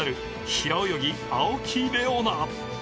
平泳ぎ・青木玲緒樹。